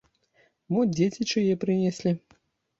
Мо дзеці чые прынеслі.